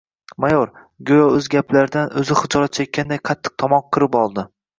Mayor, go‘yo o‘z gaplaridan o‘zi xijolat chekkanday qattiq tomoq qirib oldi.